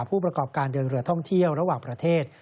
ผู้ประกอบการเดินเรือท่องเที่ยวระหว่างประเทศ